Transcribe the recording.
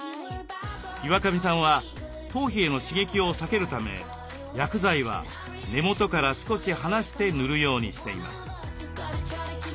岩上さんは頭皮への刺激を避けるため薬剤は根元から少し離して塗るようにしています。